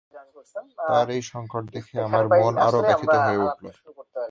তাঁর এই সংকট দেখে আমার মন আরো ব্যথিত হয়ে উঠল।